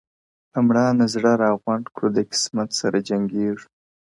• په مړانه زړه راغونډ کړو د قسمت سره جنګیږو ,